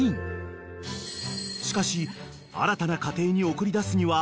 ［しかし新たな家庭に送り出すには］